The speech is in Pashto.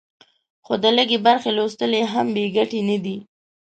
خو د لږې برخې لوستل یې هم بې ګټې نه دي.